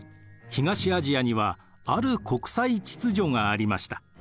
東アジアにはある国際秩序がありました。